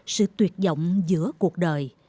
sự tuyệt vọng giữa cuộc đời